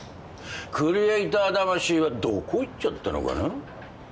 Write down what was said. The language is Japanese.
クリエーター魂はどこ行っちゃったのかな？